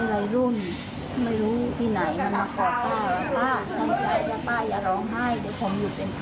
ป้าก็ทำมาหากินกะทดเต็มป้ากะทดเต็ม